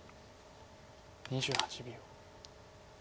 ２８秒。